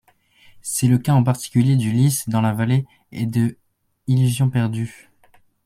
C'est le cas en particulier du Lys dans la vallée, et de Illusions perdues.